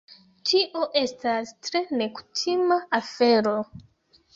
Tio estas tre nekutima afero.